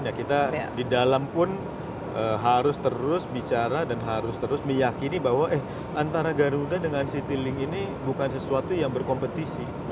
ya kita di dalam pun harus terus bicara dan harus terus meyakini bahwa eh antara garuda dengan citylink ini bukan sesuatu yang berkompetisi